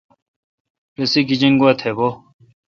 رسی گیجنگوا تھ بھو۔